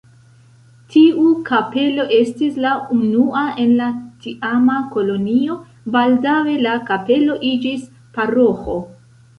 Tiu kapelo estis la unua en la tiama kolonio, baldaŭe la kapelo iĝis paroĥo.